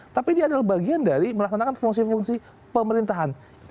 tapi dia adalah bagian dari melaksanakan fungsi fungsi pemerintahan